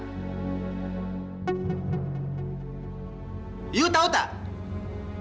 ibu sudah banyak mengeluarkan uang untuk ibu